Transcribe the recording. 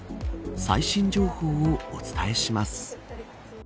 最新情報をお伝えします。